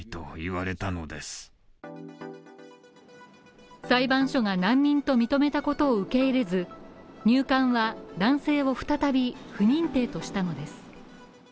ところが裁判所が難民と認めたことを受けいれず、入管は男性を再び不認定としたのです。